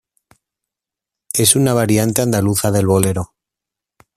Es una variante andaluza del bolero.